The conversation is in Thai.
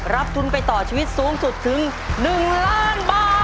ทุนไปต่อชีวิตสูงสุดถึง๑ล้านบาท